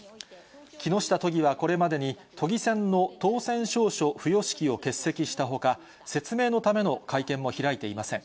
木下都議はこれまでに都議選の当選証書付与式を欠席したほか、説明のための会見も開いていません。